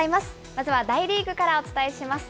まずは大リーグからお伝えします。